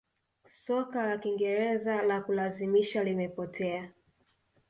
soka la kingereza la kulazimisha limepotea